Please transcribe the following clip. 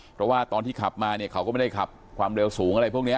เพราะว่าตอนที่ขับมาเนี่ยเขาก็ไม่ได้ขับความเร็วสูงอะไรพวกนี้